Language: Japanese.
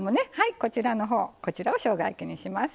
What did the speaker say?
こちらのほうこちらをしょうが焼きにします。